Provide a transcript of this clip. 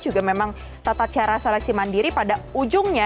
juga memang tata cara seleksi mandiri pada ujungnya